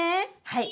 はい。